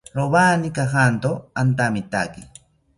Rowani kajanto antamitaki